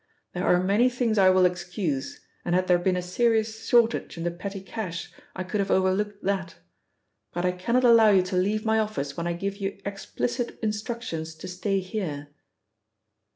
There are many things I will excuse, and had there been a serious shortage in the petty cash, I could have overlooked that. But I cannot allow you to leave my office when I give you explicit instructions to stay here."